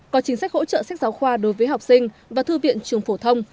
có chính sách hỗ trợ sách giáo khoa đối với học sinh và thư viện trường phổ thông